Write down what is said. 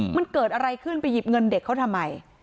มันเกิดอะไรขึ้นไปหยิบเงินเด็กเขาทำไม